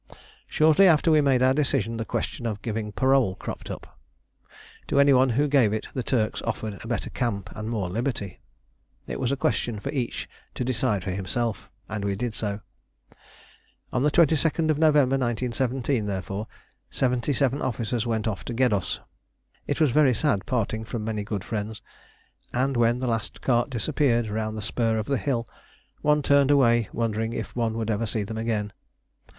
Shortly after we had made our decision the question of giving parole cropped up. To any one who gave it the Turks offered a better camp and more liberty. It was a question for each to decide for himself, and we did so. On the 22nd November 1917, therefore, seventy seven officers went off to Geddos. It was very sad parting from many good friends, and when the last cart disappeared round the spur of the hill, one turned away wondering if one would ever see them again.